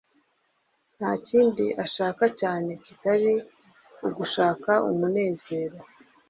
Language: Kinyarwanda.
ntakindi ashaka cyane kitari ugushaka umunezero